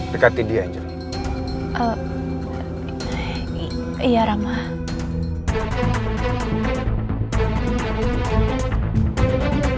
dekati dia anggeli